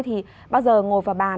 thì bao giờ ngồi vào bàn